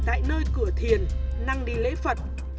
tại nơi cửa thiền năng đi lễ phật